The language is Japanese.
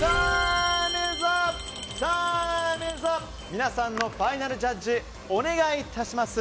皆さんのファイナルジャッジお願い致します。